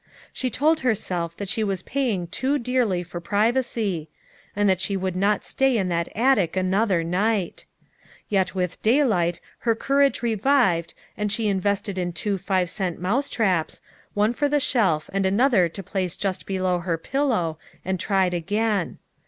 She told herself that she was paying too dearly for privacy, and that she would not stay in that attic another night; yet with daylight her courage revived and she invested in two five cent mouse traps, one for the shelf and another 108 FOUR MOTHERS AT CHAUTAUQUA to place just below her pillow and tried again.